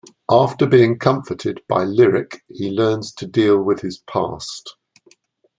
After being comforted by Lyric, he learns to deal with his past.